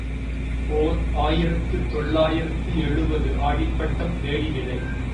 ஓர் ஆயிரத்து தொள்ளாயிரத்து எழுபது ஆடிப்பட்டம் தேடி விதை.